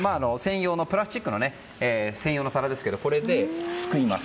プラスチックの専用のお皿ですけどこれで、すくいます。